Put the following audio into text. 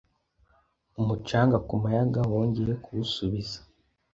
umucanga ku muyaga wongeye kuwusubiza